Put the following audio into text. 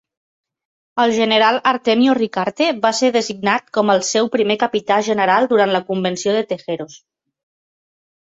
El General Artemio Ricarte va ser designat com el seu primer Capità General durant la Convenció de Tejeros.